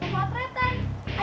mau pungut retan